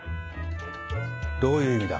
どういう意味だ？